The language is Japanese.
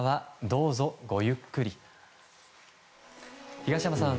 東山さん